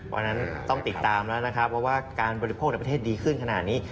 เพราะฉะนั้นต้องติดตามแล้วนะครับว่าการบริโภคในประเทศดีขึ้นขนาดนี้